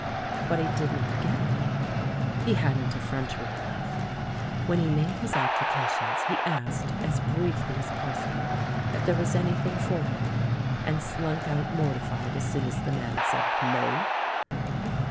But he did not get any. He hadn't effrontery enough. When he made his applications he asked as briefly as possible if there was anything for him, and slunk out mortified as soon as the man said "no."